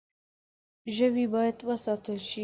ژوی باید وساتل شي.